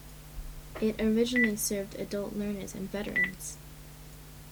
It originally served adult learners and veterans.